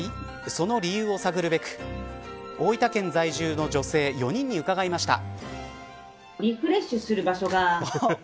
その理由を探るべく大分県在住の女性４人に伺いました。